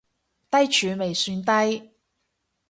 低處未算低